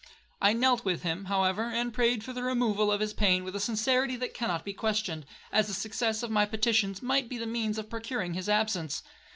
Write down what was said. I knelt with him, however, and prayed for the removal of his pain with a sincerity that cannot be questioned, as the success of my petitions might be the means of procuring his absence.